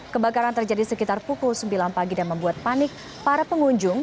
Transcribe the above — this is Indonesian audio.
kebakaran terjadi sekitar pukul sembilan pagi dan membuat panik para pengunjung